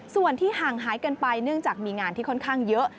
ส่วนที่ห่างหายกันไปเนื่องจากมีงานที่ค่อนข้างเยอะ